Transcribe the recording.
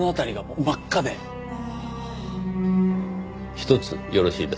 ひとつよろしいですか？